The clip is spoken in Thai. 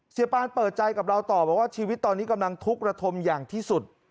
ปานเปิดใจกับเราต่อบอกว่าชีวิตตอนนี้กำลังทุกข์ระทมอย่างที่สุด